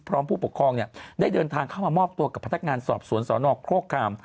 ผู้ปกครองได้เดินทางเข้ามามอบตัวกับพนักงานสอบสวนสนโครคาม